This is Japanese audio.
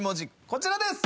こちらです。